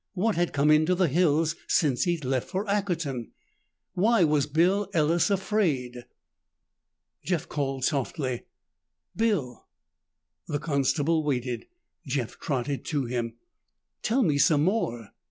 What had come into the hills since he'd left for Ackerton? Why was Bill Ellis afraid? Jeff called softly, "Bill." The constable waited. Jeff trotted to him. "Tell me some more."